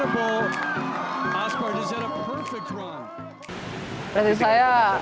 menakjubkan aspart dia melakukan perjalanan yang sempurna